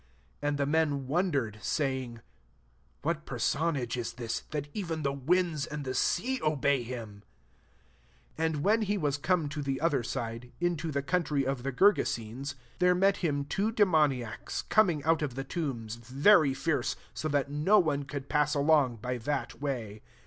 117 And the men wondered saying, '^ What personage is this, thM even the winds luid the seaobej hhnl" £8 AvD when he was coma to the other side, into the country of the Gergeaa»e% there met him two demoniacs^ coming out of the tombs very fierce, so that no one could pass along by that way.